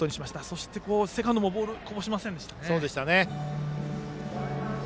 そして、セカンドもボールをこぼしませんでした。